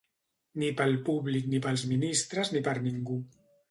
Ni pel públic ni pels ministres ni per ningú.